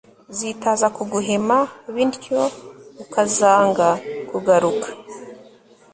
zitaza kuguhema bintyo ukazanga kugaruka